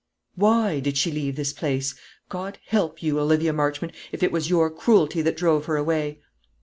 "Why did she leave this place? God help you, Olivia Marchmont, if it was your cruelty that drove her away!"